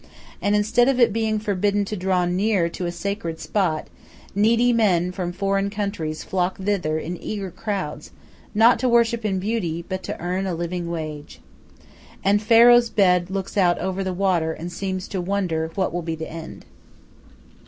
And instead of it being forbidden to draw near to a sacred spot, needy men from foreign countries flock thither in eager crowds, not to worship in beauty, but to earn a living wage. And "Pharaoh's Bed" looks out over the water and seems to wonder what will be the end.